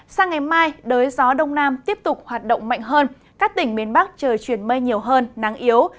sang ngày mai đới gió đông nam tiếp tục hoạt động mạnh hơn các tỉnh miền bắc trời chuyển mây nhiều hơn nắng yếu